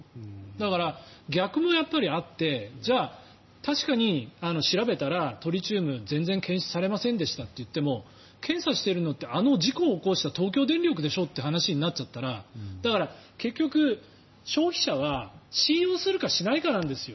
だから、逆もあってじゃあ、確かに調べたらトリチウム全然検出されませんでしたと言っても検査しているのってあの事故を起こした東京電力でしょという話になっちゃったらだから、結局消費者は信用するかしないかなんですよ